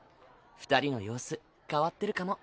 二人の様子変わってるかも。